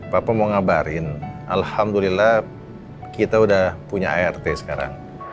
bapak mau ngabarin alhamdulillah kita sudah punya art sekarang